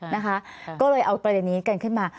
นะคะก็เลยเอาประเด็นนี้กันขึ้นมา